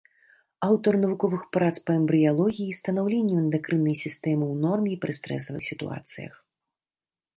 Аўтар навуковых прац па эмбрыялогіі, станаўленню эндакрыннай сістэмы ў норме і пры стрэсавых сітуацыях.